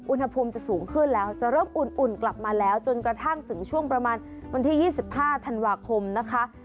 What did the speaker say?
อุณหภูมิจะสูงขึ้นแล้วจะเริ่มอุ่นกลับมาแล้วจนกระทั่งถึงช่วงประมาณวันที่๒๕ธันวาคมนะคะ